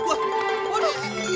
bukan coklat nih